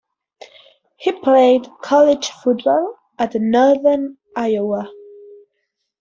He played college football at Northern Iowa.